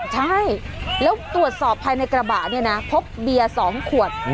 ใช่แล้วตรวจสอบภายในกระบะเนี่ยนะพบเบียร์๒ขวด